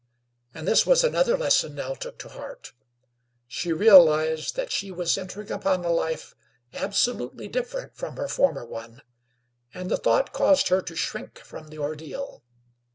And this was another lesson Nell took to heart. She realized that she was entering upon a life absolutely different from her former one, and the thought caused her to shrink from the ordeal.